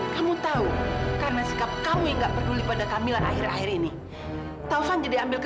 sampai jumpa di video selanjutnya